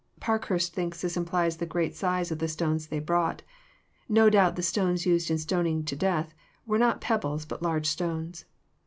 Parkhurst thinks this implies the great size of the stones they brought. No doubt the stones used in stoning to death, were not pebbles, but large stones.